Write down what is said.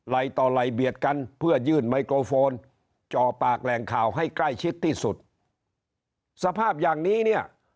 ต่อไหล่เบียดกันเพื่อยื่นไมโครโฟนจ่อปากแหล่งข่าวให้ใกล้ชิดที่สุดสภาพอย่างนี้เนี่ย